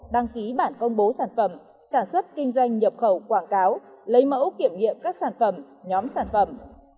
đăng ký bản công bố sản phẩm sản xuất kinh doanh nhập khẩu quảng cáo lấy mẫu kiểm nghiệm các sản phẩm nhóm sản phẩm